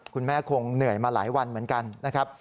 คุณแม่คงเหนื่อยมาหลายวันเหมือนกันนะครับ